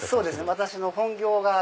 私の本業が。